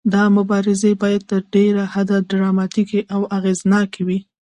دا مبارزې باید تر ډیره حده ډراماتیکې او اغیزناکې وي.